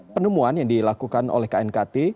penyelamatan yang dilakukan oleh knkt